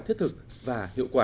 thiết thực và hiệu quả